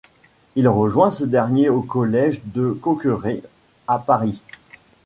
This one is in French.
Il rejoint ce-dernier au collège de Coqueret à Paris.